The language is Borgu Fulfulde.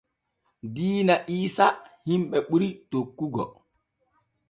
Diina iisa himɓe ɓuri tokkugo.